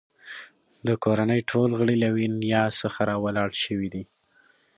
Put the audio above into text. د کورنۍ ټول غړي له یوې نیا څخه راولاړ شوي دي.